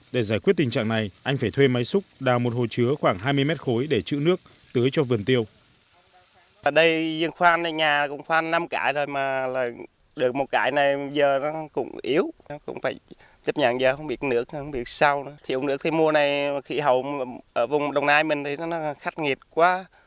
để giải quyết tình trạng này anh phải thuê máy xúc đào một hồ chứa khoảng hai mươi mét khối để chữ nước tưới cho vườn tiêu